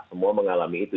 semua mengalami itu